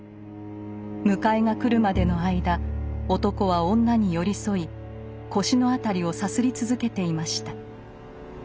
迎えが来るまでの間男は女に寄り添い腰の辺りをさすり続けていました。